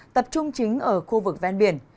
tập trung chính ở khu vực ven biển